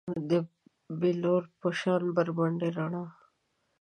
د بیلور په شان بربنډې رڼا